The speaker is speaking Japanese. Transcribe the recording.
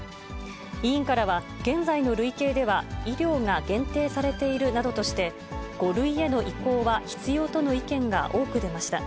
委員からは現在の類型では医療が限定されているなどとして、５類への移行は必要との意見が多く出ました。